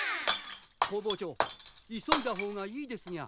工房長急いだ方がいいですニャ。